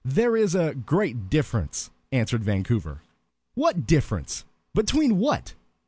"There is a great difference," answered Vancouver. "What difference? Between what?"